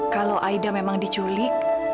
kalau aida memang diculik